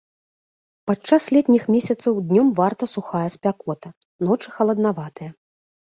Падчас летніх месяцаў днём варта сухая спякота, ночы халаднаватыя.